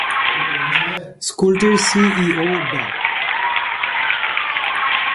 স্কুলটির সিইও ড।